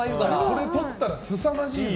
これとったらすさまじいですよ。